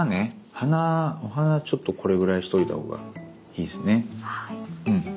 鼻お鼻ちょっとこれぐらいしといたほうがいいっすね。